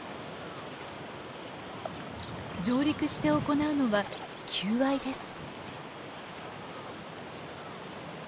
上陸して行うのは求愛です。